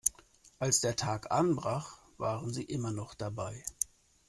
Als der Tag anbrach, waren sie immer noch dabei.